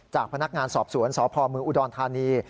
จากพนักงานสอบสวนสพเมืองอุดรธานี